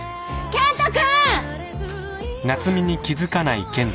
健人君！